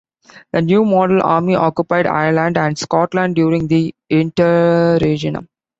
The New Model Army occupied Ireland and Scotland during the Interregnum.